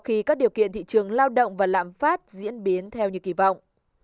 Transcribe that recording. khi các điều kiện thị trường lao động và lạm phát diễn biến theo như kỳ vọng